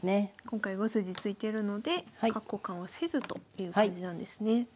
今回５筋突いてるので角交換はせずという感じなんですね。